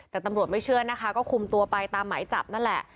แต่ตำรวจไม่เชื่อนะคะก็คุมตัวไปตามหมายจับนั่นแหละ